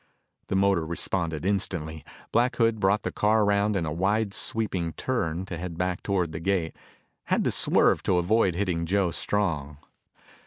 The motor responded instantly. Black Hood brought the car around in a wide sweeping turn to head back toward the gate, had to swerve to avoid hitting Joe Strong.